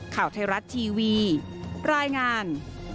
ข่าวไทยรัฐทีวีรายงาน